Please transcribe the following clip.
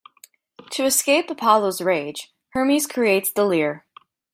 To escape Apollo's rage, Hermes creates the lyre.